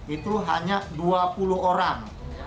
itu hanya dua puluh orang